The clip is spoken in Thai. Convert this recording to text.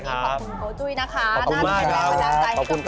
ขอบคุณเขาด้วยนะคะ